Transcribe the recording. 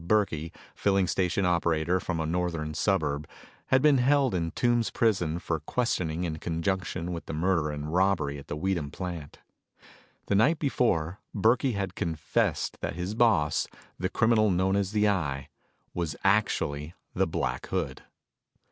Burkey, filling station operator from a northern suburb, had been held in Tombs prison for questioning in conjunction with the murder and robbery at the Weedham plant. The night before, Burkey had confessed that his boss, the criminal known as the Eye, was actually the Black Hood.